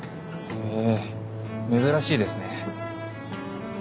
へぇ珍しいですね。